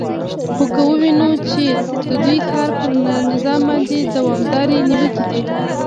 خو که ووینو چې د دوی کار پر نظام باندې دوامدارې نیوکې دي